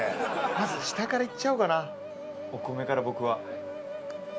まず下から行っちゃおうかなお米から僕は。